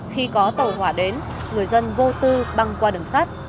khi có tàu hỏa đến người dân vô tư băng qua đường sắt